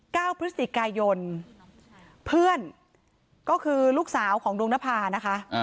เก้าพฤศจิกายนเพื่อนก็คือลูกสาวของดวงนภานะคะ